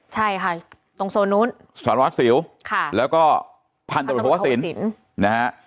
ใช่ค่ะตรงโซนนู้นสวรรค์สิวแล้วก็พันตรวจโทษศิลป์